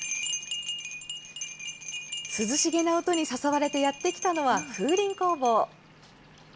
涼しげな音に誘われてやって来たのは、風鈴工房。